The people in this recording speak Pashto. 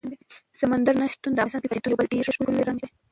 سمندر نه شتون د افغانستان د طبیعي پدیدو یو بل ډېر ښکلی رنګ دی.